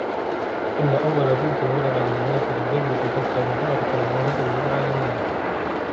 إن أول بيت وضع للناس للذي ببكة مباركا وهدى للعالمين